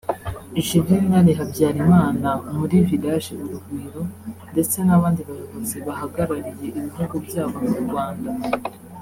Juvénal Habyarimana muri « Village Urugwiro » ndetse n’abandi bayobozi bahagarariye ibihugu byabo mu Rwanda